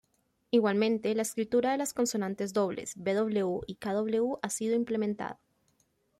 Igualmente, la escritura de las consonantes dobles "bw" y "kw" ha sido implementada.